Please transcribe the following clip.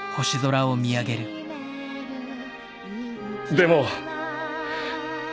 でも。